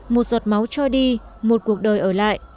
một giọt máu cho đi một cuộc đời ở lại